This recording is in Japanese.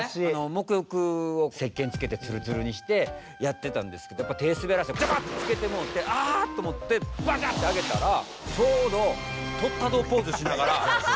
もく浴をせっけんつけてつるつるにしてやってたんですけどやっぱ手滑らせてジャバーンってつけてもうて「あっ！」と思ってバカッて上げたらちょうど「とったどぉポーズ」しながら。